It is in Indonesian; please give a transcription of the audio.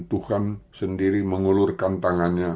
tuhan sendiri mengulurkan tangannya